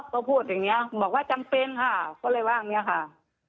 ก็พูดอย่างนี้บอกว่าจำเป็นค่ะก็เลยว่าอย่างนี้ค่ะ